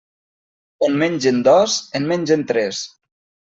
On mengen dos en mengen tres.